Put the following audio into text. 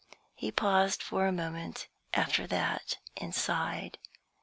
He paused for a moment after that, and sighed.